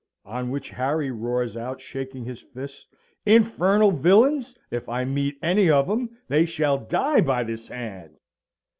On which Harry roars out, shaking his fist, "Infernal villains, if I meet any of 'em, they shall die by this hand!"